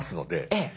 ええ。